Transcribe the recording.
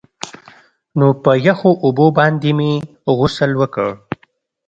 نو په يخو اوبو باندې مې غسل وکړ.